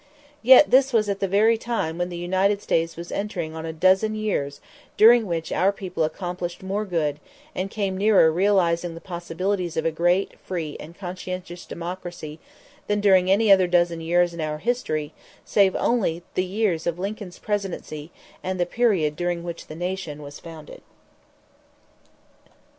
Yet this was at the very time when the United States was entering on a dozen years during which our people accomplished more good, and came nearer realizing the possibilities of a great, free, and conscientious democracy, than during any other dozen years in our history, save only the years of Lincoln's Presidency and the period during which the Nation was founded.